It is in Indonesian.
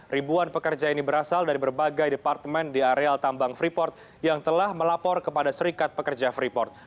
ribuan pekerja ini berasal dari berbagai departemen di areal tambang freeport yang telah melapor kepada serikat pekerja freeport